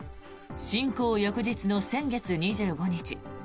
侵攻翌日の先月２５日。